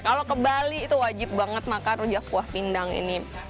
kalau ke bali itu wajib banget makan rujak kuah pindang ini